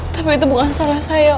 tapi itu bukan salah saya